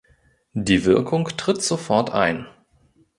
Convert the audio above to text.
Die Wirkung tritt sofort ein.